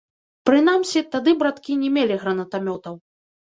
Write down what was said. Прынамсі, тады браткі не мелі гранатамётаў.